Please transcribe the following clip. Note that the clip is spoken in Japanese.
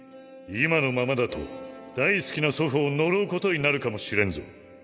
今のままだと大好きな祖父を呪うことになるかもしれんぞ。